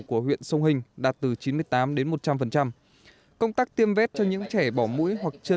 của huyện sông hình đạt từ chín mươi tám đến một trăm linh công tác tiêm vét cho những trẻ bỏ mũi hoặc chưa